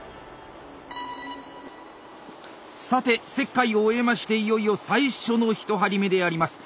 さて切開を終えましていよいよ最初の１針目であります。